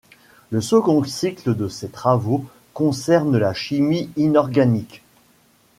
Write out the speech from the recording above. Le second cycle de ses travaux concernent la chimie inorganique.